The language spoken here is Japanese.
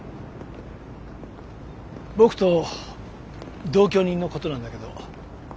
僕と同居人のことなんだけど。